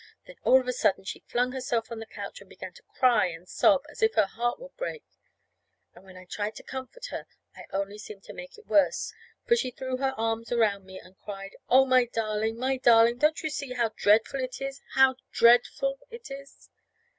Then, all of a sudden, she flung herself on the couch and began to cry and sob as if her heart would break. And when I tried to comfort her, I only seemed to make it worse, for she threw her arms around me and cried: "Oh, my darling, my darling, don't you see how dreadful it is, how dreadful it is?"